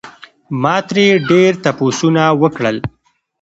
ما ترې ډېر تپوسونه وکړل